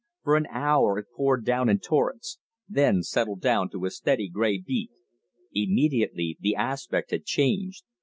For an hour it poured down in torrents; then settled to a steady gray beat. Immediately the aspect had changed.